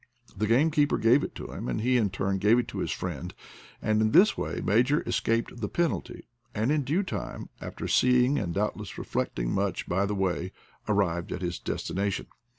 The gamekeeper gave it to him, and he in turn gave it to his friend, and in this way Ma jor escaped the penalty, and in due time, after seeing and doubtless reflecting much by the way, arrived at his destination.